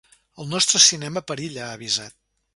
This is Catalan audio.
El nostre cinema perilla, ha avisat.